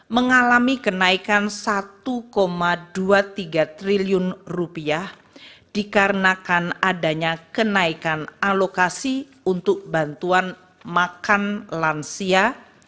mengalami kenaikan satu dua puluh tiga triliun rupiah dikarenakan adanya kenaikan alokasi untuk bantuan makan lansia